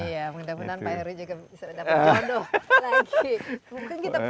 iya mudah mudahan pak heru juga bisa dapat jodoh lagi